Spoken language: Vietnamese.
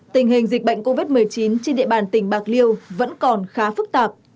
tình hình dịch bệnh covid một mươi chín trên địa bàn tỉnh bạc liêu vẫn còn khá phức tạp